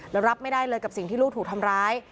แล้วรับไม่ได้เลยกับสิ่งที่ลูกถูกทำร้าย